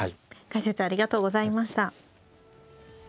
解説ありがとうございました。